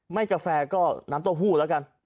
ไหม้กาแฟก็น้ำโต้หู้ละกัน